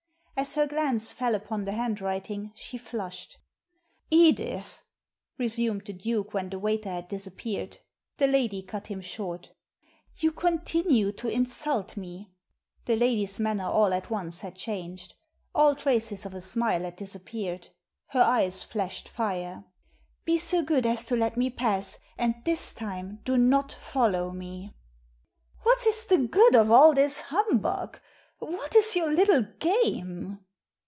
As her glance fell upon the handwriting she flushed " Edith," resumed the Duke, when the waiter had disappeared. The lady cut him short '* You continue to insult me !" The lady's manner all at once had changed. All traces of a smile had disappeared. Her eyes flashed fire. " Be so good as to let me pass, and tiiis time do not follow me !"" What is the good of all this humbug ? What is your little game